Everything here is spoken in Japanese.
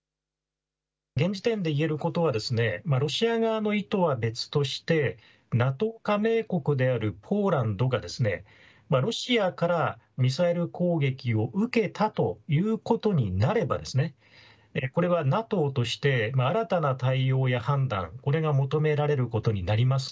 現時点で言えることはロシア側の意図は別としてＮＡＴＯ加盟国であるポーランドがロシアからミサイル攻撃を受けたということになればこれはＮＡＴＯとして新たな対応や判断を求められることになります。